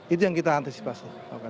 itu yang kita antisipasi